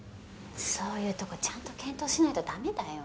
そういうとこちゃんと検討しないとダメだよ。